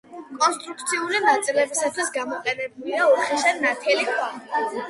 კონსტრუქციული ნაწილებისათვის გამოყენებულია უხეშად ნათალი ქვა.